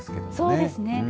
そうですね。